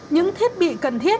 những thiết bị cần thiết